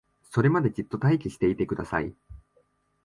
それまでじっと待機していてください